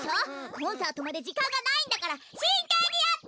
コンサートまでじかんがないんだからしんけんにやってよ！